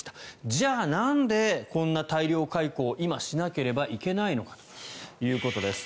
じゃあ、なんでこんな大量解雇を今しなければいけないのかということです。